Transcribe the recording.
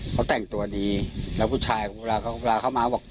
เขาแต่งตัวดีแล้วผู้ชายครบราเข้ามาบอก